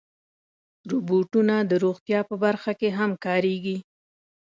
روبوټونه د روغتیا په برخه کې هم کارېږي.